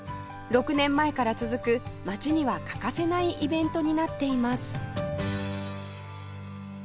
６年前から続く街には欠かせないイベントになっています